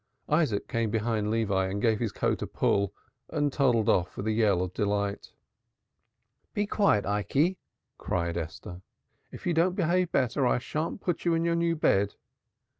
Isaac came behind Levi and gave his coat a pull and toddled off with a yell of delight. "Be quiet, Ikey!" cried Esther. "If you don't behave better I shan't sleep in your new bed."